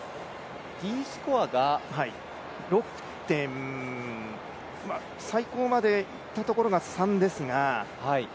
Ｄスコアが６．、最高までいったところが３ですが。